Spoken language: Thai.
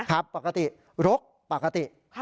ครับปกติรกปกติ